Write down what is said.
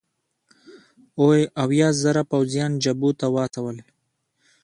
اویا زره پوځیان جبهو ته واستول.